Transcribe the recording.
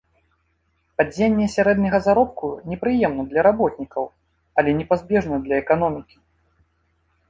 Падзенне сярэдняга заробку непрыемна для работнікаў, але непазбежна для эканомікі.